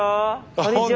こんにちは。